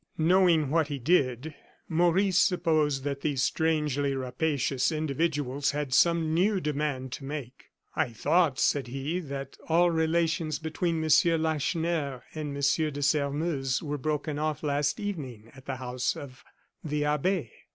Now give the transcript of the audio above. Knowing what he did, Maurice supposed that these strangely rapacious individuals had some new demand to make. "I thought," said he, "that all relations between Monsieur Lacheneur and Monsieur de Sairmeuse were broken off last evening at the house of the abbe."